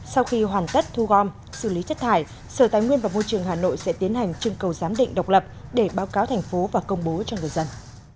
sau khi hoàn tất thu gom xử lý chất thải sở tài nguyên và môi trường hà nội sẽ tiến hành trưng cầu giám định độc lập để báo cáo thành phố và công bố cho người dân